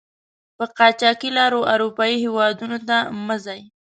په قاچاقي لارو آروپایي هېودونو ته مه ځئ!